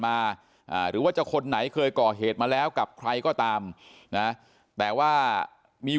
มาหรือว่าจะคนไหนเคยก่อเหตุมาแล้วกับใครก็ตามนะแต่ว่ามี